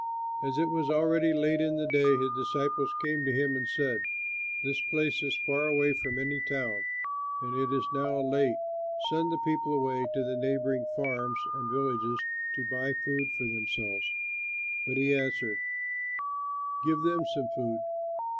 As it was already late in the day, his disciples came to him and said, "This place is far away from any town and it is now late. Send the people away to the neighboring farms and villages to buy food for themselves." But he answered "Give them some food."